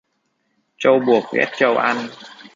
Trâu buộc ghét trâu ăn.